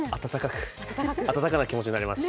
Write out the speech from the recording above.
温かな気持ちになります。